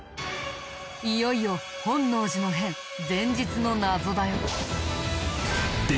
いよいよ本能寺の変前日の謎だよ。